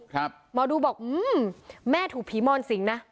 หมอดูบอกอืมแม่ถูกผีมอนสิงนะ